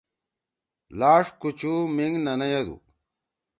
لآݜ کُوچُو مینگ نہ نیَدُو۔